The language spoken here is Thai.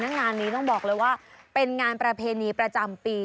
งานนี้ต้องบอกเลยว่าเป็นงานประเพณีประจำปี